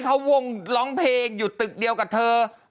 เขาวงร้องเพลงอยู่ตึกเดียวกับเธอ